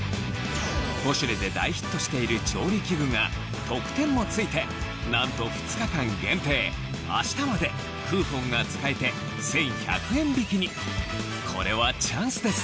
『ポシュレ』で大ヒットしている調理器具が特典も付いてなんと２日間限定あしたまでクーポンが使えて１１００円引きにこれはチャンスです